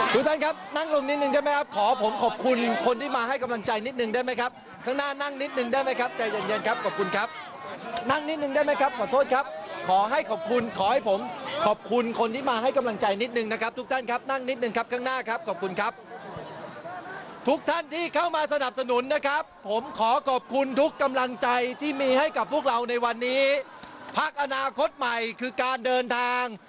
ทุกท่านครับนั่งลงนิดนึงได้ไหมครับขอผมขอบคุณคนที่มาให้กำลังใจนิดนึงได้ไหมครับข้างหน้านั่งนิดนึงได้ไหมครับใจเย็นครับขอบคุณครับนั่งนิดนึงได้ไหมครับขอโทษครับขอให้ขอบคุณขอให้ผมขอบคุณคนที่มาให้กำลังใจนิดนึงนะครับทุกท่านครับนั่งนิดนึงครับข้างหน้าครับขอบคุณครับทุกท่านที่เข้ามาส